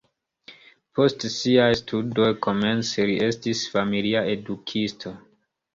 Post siaj studoj komence li estis familia edukisto.